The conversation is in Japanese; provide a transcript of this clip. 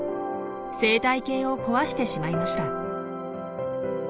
生態系を壊してしまいました。